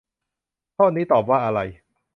ข้อนี้ตอบว่าอะไร